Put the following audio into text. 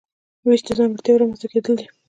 وېش د ځانګړتیاوو رامنځته کیدل دي.